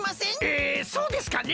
えそうですかね？